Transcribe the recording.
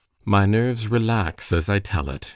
——My nerves relax as I tell it.